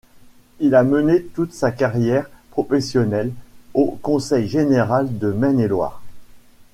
Il a mené toute sa carrière professionnelle au Conseil général de Maine-et-Loire.